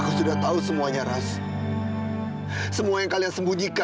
kau dari mana lo dok